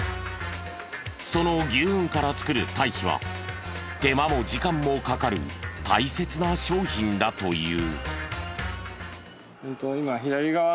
その牛ふんから作る堆肥は手間も時間もかかる大切な商品だという。